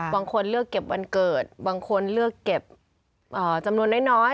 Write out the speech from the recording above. บางคนเลือกเก็บวันเกิดบางคนเลือกเก็บจำนวนน้อย